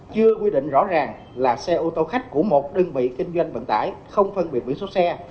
chưa quy định rõ ràng là xe ô tô khách của một đơn vị kinh doanh vận tải không phân biệt biển số xe